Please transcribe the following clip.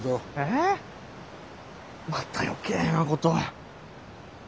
えまた余計なことを。